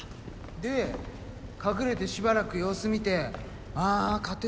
で隠れてしばらく様子見てああ勝て